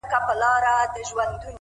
لكه اوبه چي دېوال ووهي ويده سمه زه!